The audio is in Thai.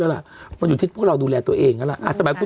คนราวความทนน้อยลง